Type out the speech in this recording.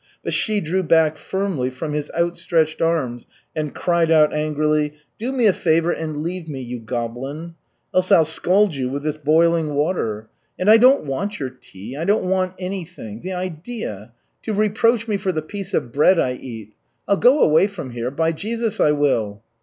But she drew back firmly from his outstretched arms and cried out angrily: "Do me a favor and leave me, you goblin! Else I'll scald you with this boiling water. And I don't want your tea. I don't want anything. The idea to reproach me for the piece of bread I eat. I'll go away from here! By Jesus, I will!"